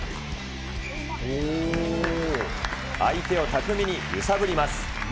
相手を巧みに揺さぶります。